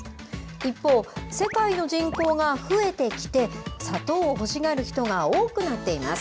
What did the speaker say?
一方、世界の人口が増えてきて砂糖を欲しがる人が多くなっています。